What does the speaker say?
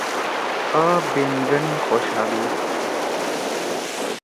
آ بینگن خوشادُو۔